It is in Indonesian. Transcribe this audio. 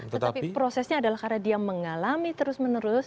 tetapi prosesnya adalah karena dia mengalami terus menerus